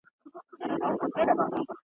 د رباب او سارنګ له شرنګ سره دادی ,